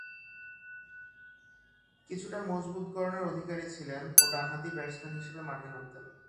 কিছুটা মজবুত গড়নের অধিকারী ছিলেন ও ডানহাতি ব্যাটসম্যান হিসেবে মাঠে নামতেন।